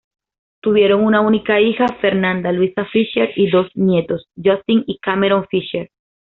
Tuvieron una única hija, Fernanda Luisa Fisher, y dos nietos, Justin y Cameron Fisher.